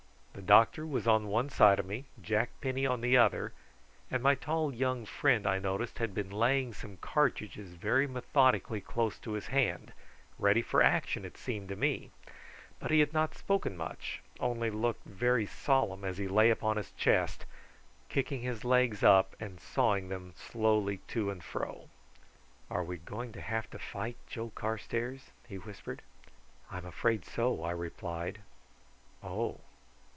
The doctor was on one side of me, Jack Penny on the other, and my tall young friend I noticed had been laying some cartridges very methodically close to his hand, ready for action it seemed to me; but he had not spoken much, only looked very solemn as he lay upon his chest, kicking his legs up and sawing them slowly to and fro. "Are we going to have to fight, Joe Carstairs?" he whispered. "I'm afraid so," I replied. "Oh!"